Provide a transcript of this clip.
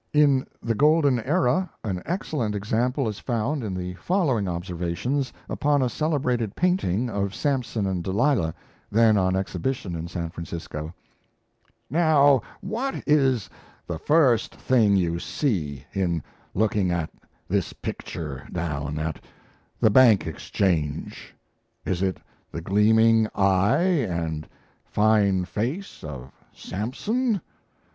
In 'The Golden Era' an excellent example is found in the following observations upon a celebrated painting of Samson and Delilah, then on exhibition in San Francisco: "Now what is the first thing you see in looking at this picture down at the Bank Exchange? Is it the gleaming eye and fine face of Samson?